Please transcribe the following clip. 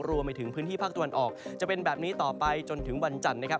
รวมไปถึงพื้นที่ภาคตะวันออกจะเป็นแบบนี้ต่อไปจนถึงวันจันทร์นะครับ